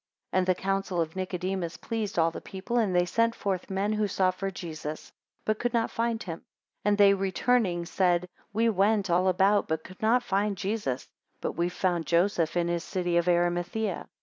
5 And the counsel of Nicodemus pleased all the people; and they sent forth men who sought for Jesus, but could not find him; and they returning, said, We went all about, but could not find Jesus, but we have found Joseph in his city of Arimathaea.